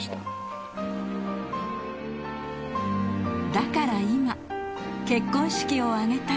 だから今結婚式を挙げたい。